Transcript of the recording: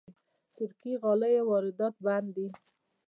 د ترکي غالیو واردات بند دي؟